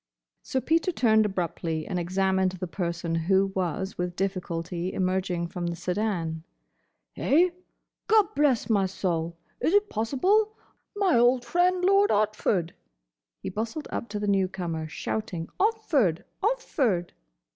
Sir Peter turned abruptly and examined the person who was with difficulty emerging from the sedan. "Eh?— Gobblessmysoul! Is it possible?— My old friend, Lord Otford!" He bustled up to the newcomer, shouting "Otford! Otford!"